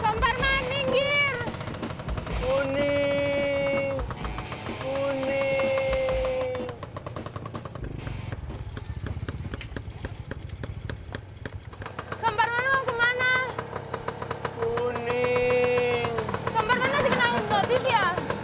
komparman masih kena hipnotis ya